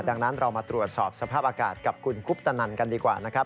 ดังนั้นเรามาตรวจสอบสภาพอากาศกับคุณคุปตนันกันดีกว่านะครับ